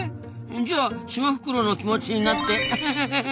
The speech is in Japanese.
じゃあシマフクロウの気持ちになってエヘヘヘへ。